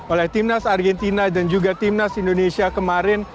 oleh timnas argentina dan juga timnas indonesia kemarin